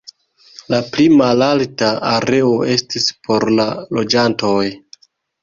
La pli malalta areo estis por la loĝantoj.